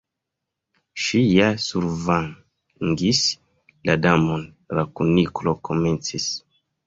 "Ŝi ja survangis la Damon—" la Kuniklo komencis.